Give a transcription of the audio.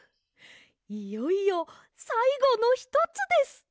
いよいよさいごのひとつです。